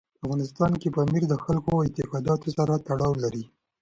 په افغانستان کې پامیر د خلکو د اعتقاداتو سره تړاو لري.